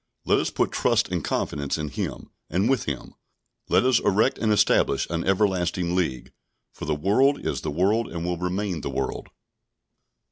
Let us put trust and confidence in him, and with him; let us erect and establish an everlasting league, for the world is the world, and will remain the world.